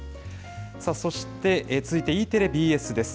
さあそして、続いてＥテレ、ＢＳです。